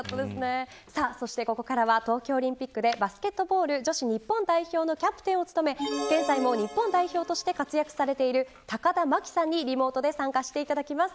そしてここからは東京オリンピックでバスケットボール女子日本代表のキャプテンを務め、現在も日本代表として活躍されている高田真希さんにリモートで参加していただきます。